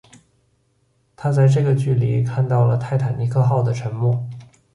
他在这个距离看到了泰坦尼克号的沉没。